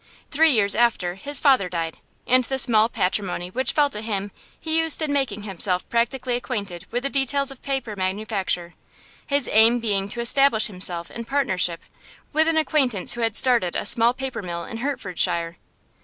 Three years after, his father died, and the small patrimony which fell to him he used in making himself practically acquainted with the details of paper manufacture, his aim being to establish himself in partnership with an acquaintance who had started a small paper mill in Hertfordshire.